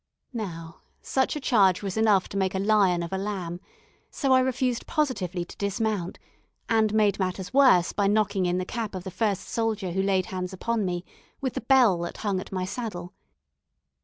Now, such a charge was enough to make a lion of a lamb; so I refused positively to dismount, and made matters worse by knocking in the cap of the first soldier who laid hands upon me, with the bell that hung at my saddle.